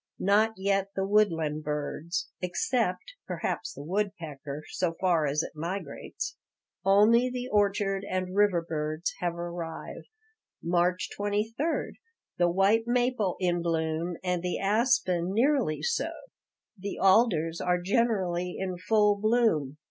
Not yet the woodland birds, except (perhaps the woodpecker, so far as it migrates) only the orchard and river birds have arrived." March 23 The white maple in bloom and the aspen nearly so; the alders are generally in full bloom.